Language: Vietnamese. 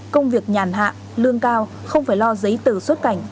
công việc nhàn hạ lương cao không phải lo giấy tờ xuất cảnh